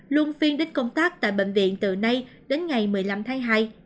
luôn phiên đến công tác tại bệnh viện từ nay đến ngày một mươi năm tháng hai